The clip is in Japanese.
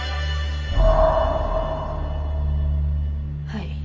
はい。